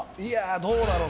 どうだろうな。